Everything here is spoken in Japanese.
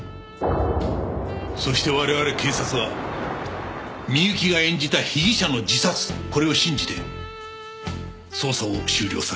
そして我々警察はみゆきが演じた被疑者の自殺これを信じて捜査を終了させた。